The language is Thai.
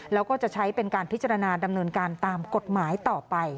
แล้วก็จะใช้เป็นการพิจารณาดำเนินการตามกฎหมายต่อไป